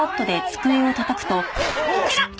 痛っ！